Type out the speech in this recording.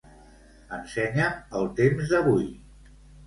Ensenya'm el temps d'avui.